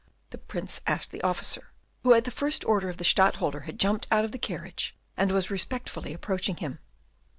the Prince asked the officer, who at the first order of the Stadtholder had jumped out of the carriage, and was respectfully approaching him.